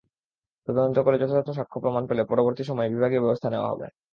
তদন্ত করে যথাযথ সাক্ষ্যপ্রমাণ পেলে পরবর্তী সময়ে বিভাগীয় ব্যবস্থা নেওয়া হবে।